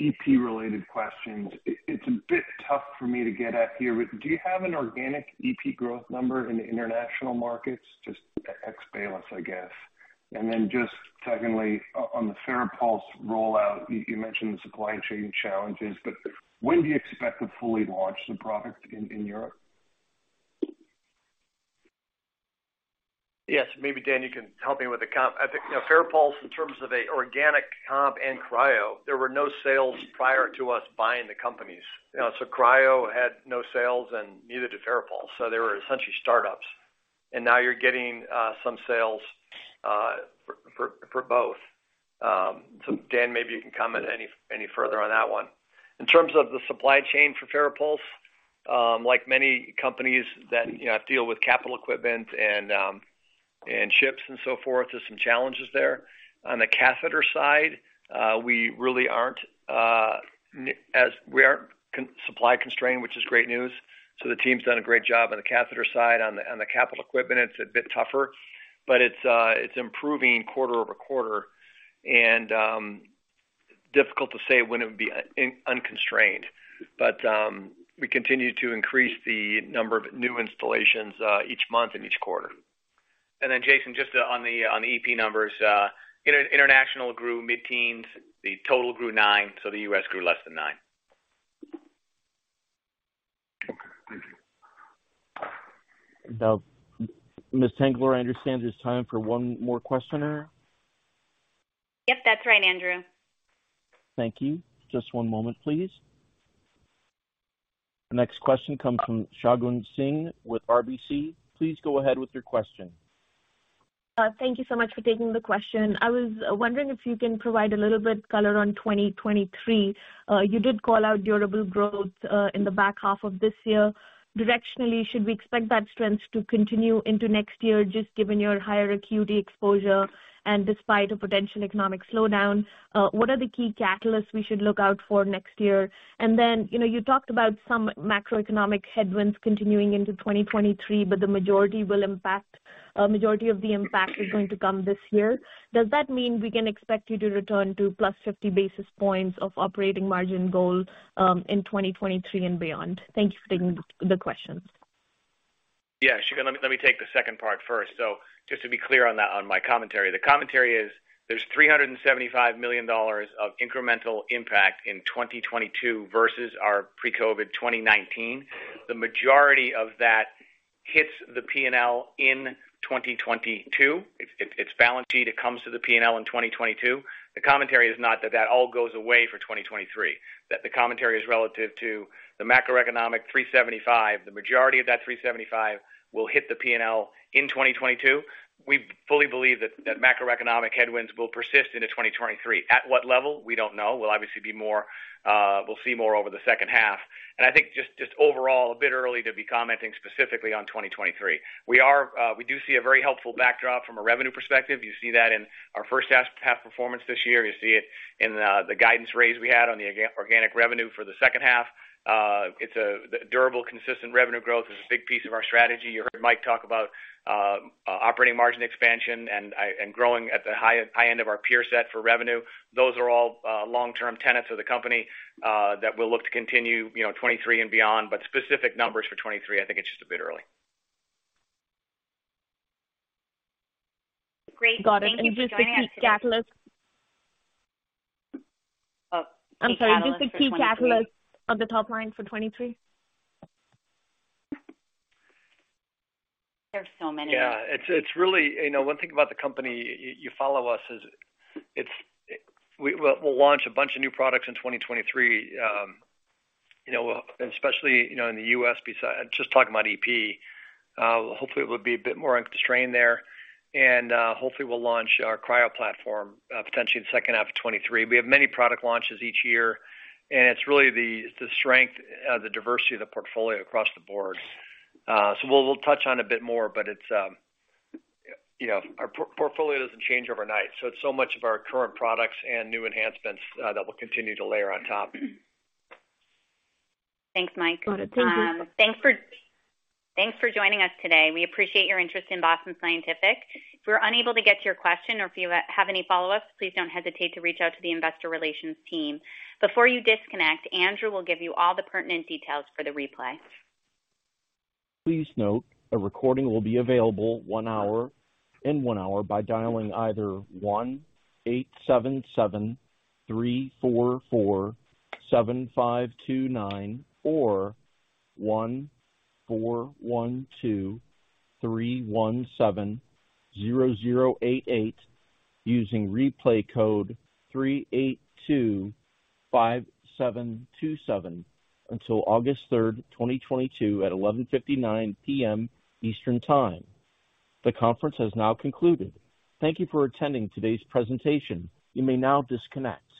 EP related questions. It's a bit tough for me to get at here, but do you have an organic EP growth number in the international markets, just ex Baylis, I guess? Just secondly, on the Farapulse rollout, you mentioned the supply chain challenges, but when do you expect to fully launch the product in Europe? Yes. Maybe, Dan, you can help me with the comp. I think, you know, Farapulse in terms of an organic comp and Cryo, there were no sales prior to us buying the companies. You know, Cryo had no sales and neither did Farapulse. They were essentially startups. Now you're getting some sales for both. Dan, maybe you can comment any further on that one. In terms of the supply chain for Farapulse, like many companies that deal with capital equipment and chips and so forth, there's some challenges there. On the catheter side, we really aren't supply constrained, which is great news. The team's done a great job on the catheter side. On the capital equipment, it's a bit tougher, but it's improving quarter-over-quarter. Difficult to say when it would be unconstrained. We continue to increase the number of new installations each month and each quarter. Jayson, just on the EP numbers, international grew mid-teens%, the total grew 9%, so the U.S. grew less than 9%. Okay. Thank you. Now, Ms. Tengler, I understand there's time for one more questioner. Yep, that's right, Andrew. Thank you. Just one moment, please. The next question comes from Shagun Singh with RBC. Please go ahead with your question. Thank you so much for taking the question. I was wondering if you can provide a little bit of color on 2023. You did call out durable growth in the back half of this year. Directionally, should we expect that strength to continue into next year just given your higher acuity exposure, and despite a potential economic slowdown? What are the key catalysts we should look out for next year? Then, you know, you talked about some macroeconomic headwinds continuing into 2023, but a majority of the impact is going to come this year. Does that mean we can expect you to return to plus 50 basis points of operating margin goal in 2023 and beyond? Thank you for taking the questions. Yeah. Shagun, let me take the second part first. Just to be clear on that, on my commentary, the commentary is there's $375 million of incremental impact in 2022 versus our pre-COVID 2019. The majority of that hits the P&L in 2022. It's balanced, it comes to the P&L in 2022. The commentary is not that all goes away for 2023. That the commentary is relative to the macroeconomic 375. The majority of that 375 will hit the P&L in 2022. We fully believe that macroeconomic headwinds will persist into 2023. At what level? We don't know. We'll obviously see more over the second half. I think just overall a bit early to be commenting specifically on 2023. We do see a very helpful backdrop from a revenue perspective. You see that in our first half performance this year. You see it in the guidance raise we had on the organic revenue for the second half. The durable, consistent revenue growth is a big piece of our strategy. You heard Mike talk about operating margin expansion and growing at the high end of our peer set for revenue. Those are all long-term tenets of the company, that we'll look to continue, you know, 2023 and beyond, but specific numbers for 2023, I think it's just a bit early. Great. Thank you for joining us. Got it. Just the key catalyst on the top line for 2023. There's so many. Yeah. It's really, you know, one thing about the company you follow us is. It's. We'll launch a bunch of new products in 2023. You know, especially, you know, in the U.S. besides just talking about EP, hopefully it will be a bit more unconstrained there, and hopefully we'll launch our cryo platform, potentially in the second half of 2023. We have many product launches each year, and it's really the strength, the diversity of the portfolio across the board. So we'll touch on a bit more, but it's, you know, our portfolio doesn't change overnight, so it's so much of our current products and new enhancements that we'll continue to layer on top. Thanks, Mike. Got it. Thank you. Thanks for joining us today. We appreciate your interest in Boston Scientific. If we're unable to get to your question or if you have any follow-ups, please don't hesitate to reach out to the investor relations team. Before you disconnect, Andrew will give you all the pertinent details for the replay. Please note a recording will be available in one hour by dialing either 1-877-344-7529 or 1-412-317-0088 using replay code 3825727 until August 3, 2022 at 11:59 P.M. Eastern Time. The conference has now concluded. Thank you for attending today's presentation. You may now disconnect.